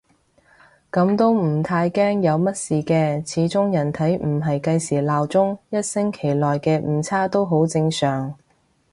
噉都唔太驚有乜事嘅，始終人體唔係計時鬧鐘，一星期內嘅誤差都好正常